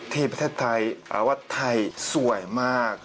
ทีมประเทศไทยแปลว่าไทยสวยมาก